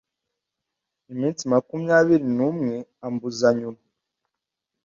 iminsi makumyabiri n umwe ambuza nyuma